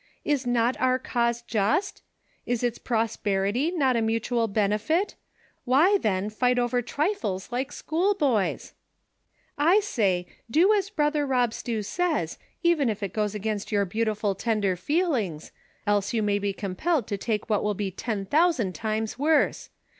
Is not our cause just V ;fc its prosperity not a mutual benefit V Why, then, fight over trifles, like schoolboys V "I say, do as Brother Bob Stew says, even if it goes against your beautiful, tender feelings, else you may be compelled to take what will be ten thousand times worse